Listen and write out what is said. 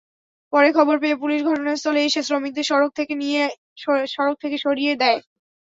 পরে খবর পেয়ে পুলিশ ঘটনাস্থলে এসে শ্রমিকদের সড়ক থেকে সরিয়ে দেয়।